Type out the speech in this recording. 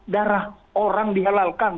darah orang dihalalkan